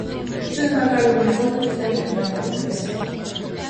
"Iso de marcar eu un gol, estaría moi ben", confesa.